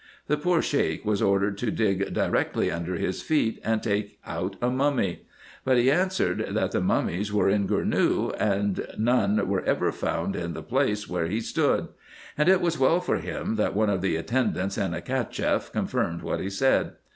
The poor Sheik was ordered to dig di rectly under his feet, and take out a mummy ; but he answered, that the mummies were in Gournou, and none were ever found in the place where he stood : and it was well for him that one of the attendants and a Cacheff confirmed what he said.